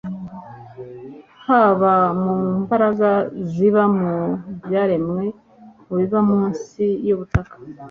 haba mu mbaraga ziba mu byaremwe, mu biba munsi y'ubutaka